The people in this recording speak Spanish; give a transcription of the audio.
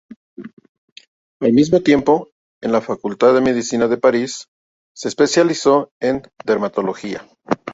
Al mismo tiempo, en la Facultad de Medicina de París, se especializó en Dermatología.